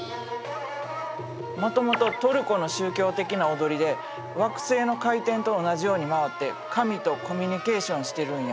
もともとトルコの宗教的な踊りで惑星の回転と同じように回って神とコミュニケーションしてるんや。